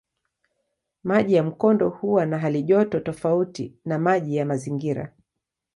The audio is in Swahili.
Maji ya mkondo huwa na halijoto tofauti na maji ya mazingira.